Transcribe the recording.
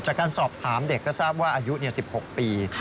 จากการสอบถามเด็กก็ทราบว่าอายุ๑๖ปี